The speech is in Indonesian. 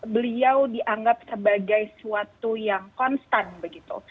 beliau dianggap sebagai suatu yang konstan begitu